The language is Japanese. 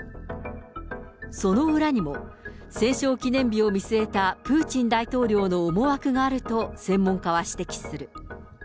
その裏にも、戦勝記念日を見据えたプーチン大統領の思惑があると専門家は指摘する。